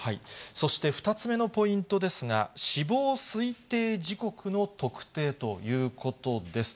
そして２つ目のポイントですが、死亡推定時刻の特定ということです。